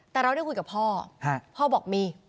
แต่เราได้คุยกับพ่อพ่อบอกมี